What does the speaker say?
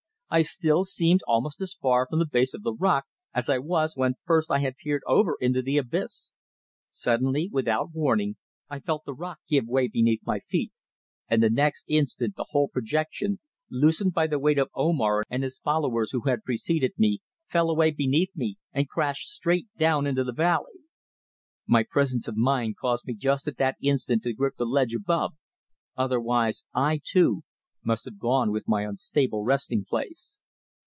I still seemed almost as far from the base of the rock as I was when first I had peered over into the abyss. Suddenly, without warning, I felt the rock give way beneath my feet, and the next instant the whole projection, loosened by the weight of Omar and his followers who had preceded me, fell away beneath me, and crashed straight down into the valley. My presence of mind caused me just at that instant to grip the ledge above, otherwise I, too, must have gone with my unstable resting place.